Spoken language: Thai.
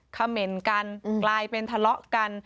เขม่นกันกลายเป็นทะเลาะกัน